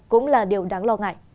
cũng là điều đáng lo ngại